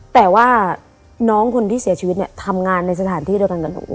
แต่ว่าน้องคนที่เสียชีวิตเนี่ยทำงานในสถานที่เดียวกันกับหนู